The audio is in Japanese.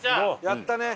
やったね！